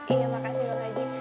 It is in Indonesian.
iya makasih bang haji